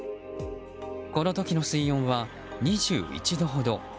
この時の水温は２１度ほど。